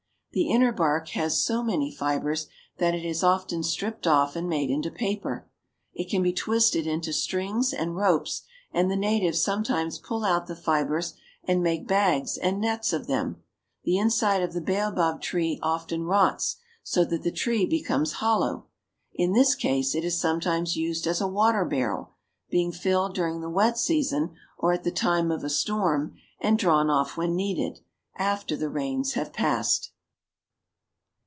The inner bark has so many fibers that it is often stripped off and made into paper. It can be twisted into strings and ropes, and the natives sometimes pull out the fibers and Baobab blossom. ^^^^^^^^^^^^^^^ of them. The inside of the baobab tree often rots, so that the tree becomes hollow. In this case it is sometimes used as a water barrel, being filled during the wet season or at the time of a storm, and drawn off when needed, after the rains have passed.